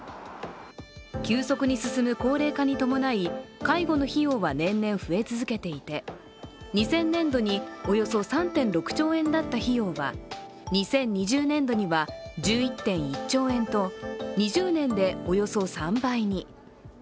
急速に進む高齢化に伴い介護の費用は年々増え続けていて２０００年度におよそ３．６兆円だった費用は２０２０年度には１１．１兆円と、２０年でおよそ３倍に。